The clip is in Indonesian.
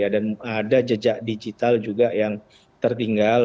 dan ada jejak digital juga yang tertinggal